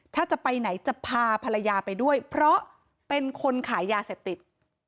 ถ้าจะไปไหนจะพาภรรยาไปด้วยเพราะเป็นคนขายยาเสพติด